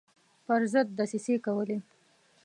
پر ضد دسیسې کولې.